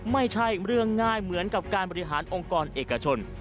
ไม่ใช่เรื่องง่ายเหมือนกับการบริหารองค์กรเอกชน